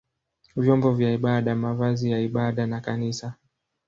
vyombo vya ibada, mavazi ya ibada na kanisa.